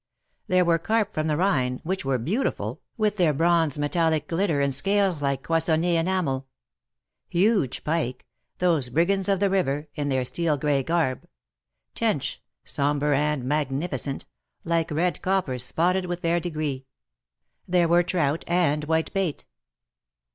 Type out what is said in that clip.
There were carp from the Rhine, which were beautiful, with their bronze, metallic glitter, and scales like Cloisonii6 enamel ; huge pike — those brigands of the river — in their steel gray garb ; tench — sombre and magnificent — like red copper, spotted with verdigris. There Avere trout and white bait.